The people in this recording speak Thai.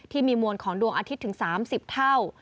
ที่มีมวลของดวงอาทิตย์ถึง๓๐เท่า